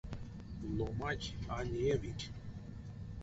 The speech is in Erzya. Ломанть а неявить.